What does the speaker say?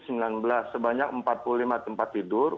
sebanyak empat puluh lima tempat tidur